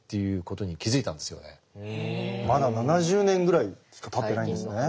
まだ７０年ぐらいしかたってないんですね。